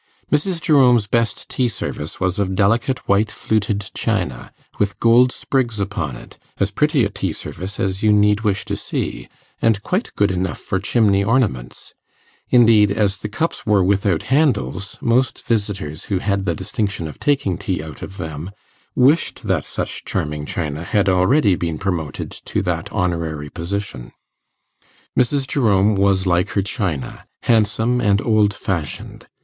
Mrs. Jerome's best tea service was of delicate white fluted china, with gold sprigs upon it as pretty a tea service as you need wish to see, and quite good enough for chimney ornaments; indeed, as the cups were without handles, most visitors who had the distinction of taking tea out of them, wished that such charming china had already been promoted to that honorary position. Mrs. Jerome was like her china, handsome and old fashioned.